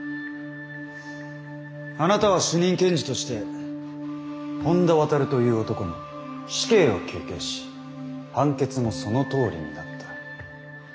あなたは主任検事として本田亘という男に死刑を求刑し判決もそのとおりになった。